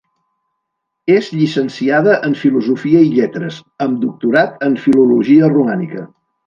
És llicenciada en Filosofia i lletres, amb doctorat en filologia romànica.